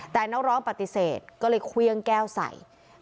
แต่น้องร้องปฏิเสธก็เลยเครื่องแก้วใส่